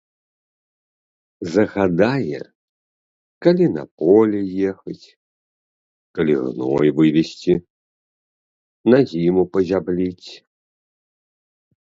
Загадае калі на поле ехаць, калі гной вывезці, на зіму пазябліць.